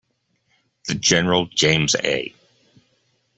The General James A.